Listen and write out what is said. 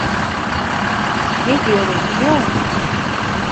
Ne diyorum biliyor musun?